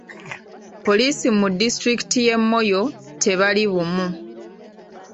Poliisi mu disitulikiti y'e Moyo tebali bumu.